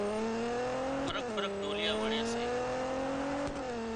فرق فرق ڍوليئا وڻي سي